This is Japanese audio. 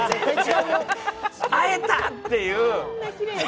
会えた！っていう。